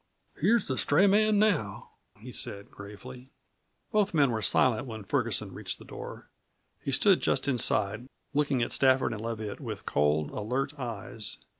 "Here's the stray man now," he said gravely. Both men were silent when Ferguson reached the door. He stood just inside, looking at Stafford and Leviatt with cold, alert eyes.